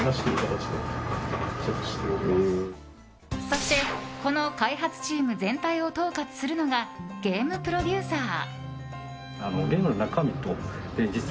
そして、この開発チーム全体を統括するのがゲームプロデューサー。